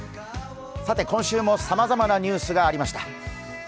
今週もさまざまなニュースがありました。